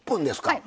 はい。